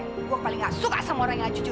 gue paling gak suka sama orang yang gak cucu